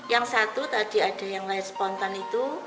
yang satu tadi ada yang lain spontan itu